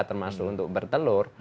termasuk untuk bertelur